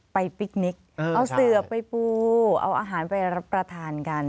ปิ๊กนิกเอาเสือไปปูเอาอาหารไปรับประทานกัน